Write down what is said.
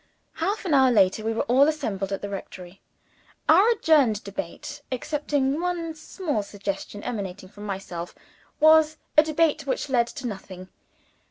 Half an hour later, we were all assembled at the rectory. Our adjourned debate excepting one small suggestion emanating from myself was a debate which led to nothing.